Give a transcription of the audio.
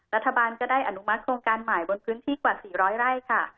รัฐบาลก็ได้อนุมัติโครงการใหม่บนพื้นที่กว่า๔๐๐ไร่ค่ะ